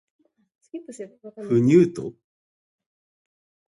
不入斗